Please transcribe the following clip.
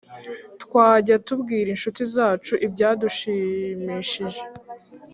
Twajya tubwira inshuti zacu ibyadushimishije